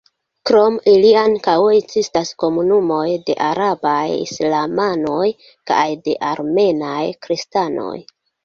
Krom ili ankaŭ ekzistas komunumoj de arabaj islamanoj kaj de armenaj kristanoj.